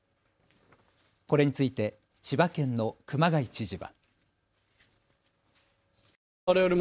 これについて千葉県の熊谷知事は。